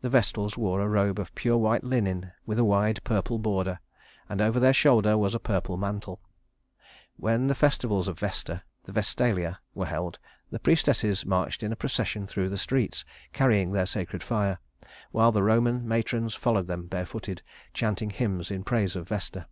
The Vestals wore a robe of pure white linen with a wide purple border, and over their shoulders was a purple mantle. When the festivals of Vesta, the Vestalia, were held, the priestesses marched in a procession through the streets, carrying their sacred fire, while the Roman matrons followed them barefooted, chanting hymns in praise of Vesta.